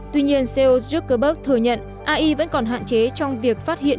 tuy nhiên co zuckerberg thừa nhận ai vẫn còn hạn chế trong việc phát hiện